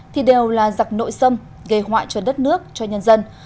thì đều là giặc nội sâm gây hoại cho đất nước cho nhân dân